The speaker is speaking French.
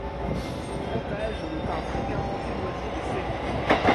Son grand âge le tint fréquemment éloigné des séances.